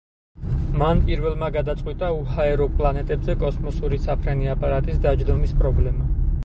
მან პირველმა გადაწყვიტა უჰაერო პლანეტებზე კოსმოსური საფრენი აპარატის დაჯდომის პრობლემა.